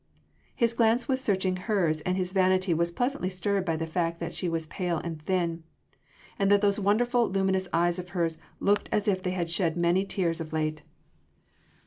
His glance was searching hers and his vanity was pleasantly stirred by the fact that she was pale and thin, and that those wonderful, luminous eyes of hers looked as if they had shed many tears of late.